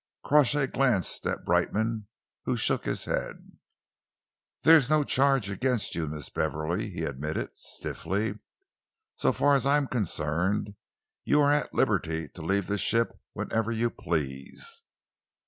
Crawshay glanced at Brightman, who shook his head. "There is no charge against you. Miss Beverley," he admitted stiffly. "So far as I am concerned, you are at liberty to leave the ship whenever you please."